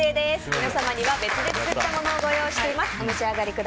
皆様には別で作ったものをご用意してあります。